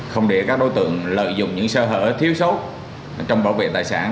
không để các đối tượng lợi dụng những sơ hở thiếu sót trong bảo vệ tài sản